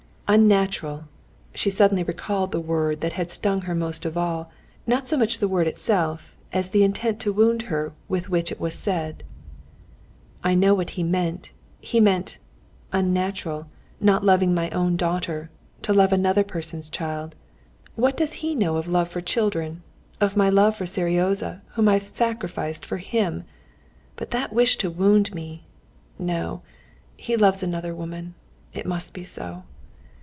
"Unnatural!" She suddenly recalled the word that had stung her most of all, not so much the word itself as the intent to wound her with which it was said. "I know what he meant; he meant—unnatural, not loving my own daughter, to love another person's child. What does he know of love for children, of my love for Seryozha, whom I've sacrificed for him? But that wish to wound me! No, he loves another woman, it must be so."